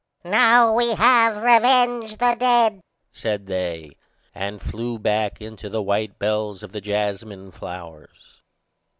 "Now have we revenged the dead," said they, and flew back into the white bells of the jasmine flowers.